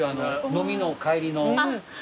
飲みの帰りの。